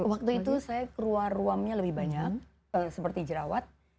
waktu itu saya keluar ruamnya lebih banyak seperti jerawat